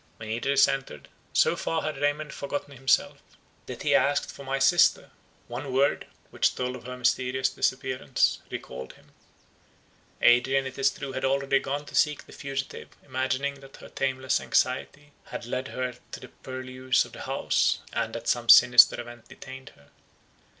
When Idris entered, so far had Raymond forgotten himself, that he asked for my sister; one word, which told of her mysterious disappearance, recalled him. Adrian it is true had already gone to seek the fugitive, imagining that her tameless anxiety had led her to the purlieus of the House, and that some sinister event detained her.